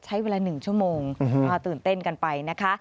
ใช้เวลา๑ชั่วโมงตื่นเต้นกันไปนะคะ